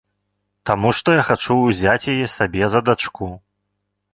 Таму, што я хачу ўзяць яе сабе за дачку.